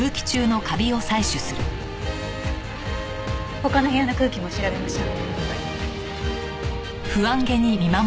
他の部屋の空気も調べましょう。